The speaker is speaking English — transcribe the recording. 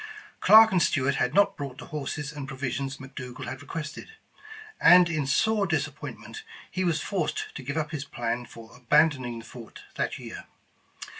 Clarke and Stuart had not brought the horses and provisions McDougal had requested, and in sore dis 210 England's Trophy appointment, he was forced to give up his plan for abandoning the fort that year.